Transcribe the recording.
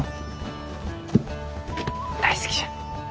大好きじゃ。